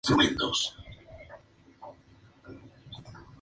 Fue la última de las apenas cinco exposiciones en esta caseta revolucionaria.